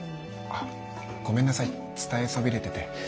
あっごめんなさい伝えそびれてて。